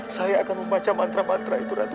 saya akan membaca mantra mantra itu ratu